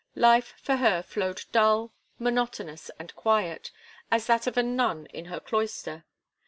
Life for her flowed dull, monotonous and quiet, as that of a nun in her cloister.